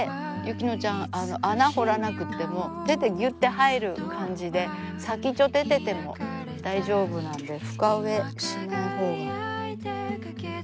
雪乃ちゃん穴掘らなくても手でギュッて入る感じで先っちょ出てても大丈夫なんで深植えしないほうが。